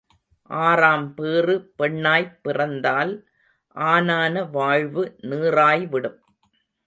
ஆறாம் பேறு பெண்ணாய்ப் பிறந்தால் ஆனான வாழ்வு நீறாய் விடும்.